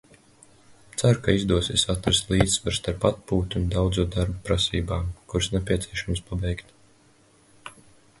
Ceru, ka izdosies atrast līdzsvaru starp atpūtu un daudzo darbu prasībām, kurus nepieciešams pabeigt.